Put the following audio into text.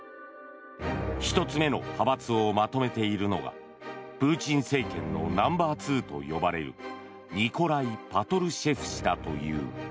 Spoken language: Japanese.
１つ目の派閥をまとめているのがプーチン政権のナンバー２と呼ばれるニコライ・パトルシェフ氏だという。